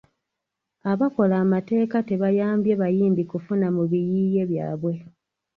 Abakola amateeka tebayambye bayimbi kufuna mu biyiiye byabwe.